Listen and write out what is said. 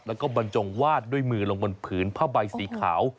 แล้วก็บรรจงวาดด้วยมือลงบนผืนผ้าใบสีขาว